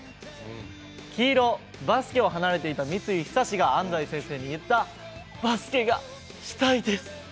黄色バスケを離れていた三井寿が安西先生に言った「バスケがしたいです」。